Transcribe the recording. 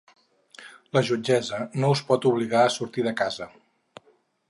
La jutgessa no us pot obligar a sortir de casa.